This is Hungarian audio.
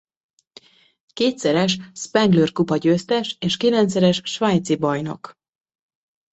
Kétszeres Spengler-kupa győztes és kilencszeres svájci bajnok.